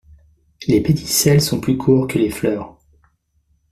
Les pédicelles sont plus courts que les fleurs.